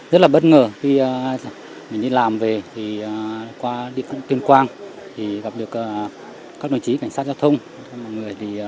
rất là bất ngờ khi mình đi làm về qua địa phương tuyên quang gặp được các đồng chí cảnh sát giao thông